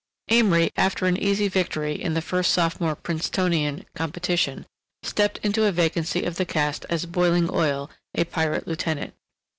Amory, after an easy victory in the first sophomore Princetonian competition, stepped into a vacancy of the cast as Boiling Oil, a Pirate Lieutenant.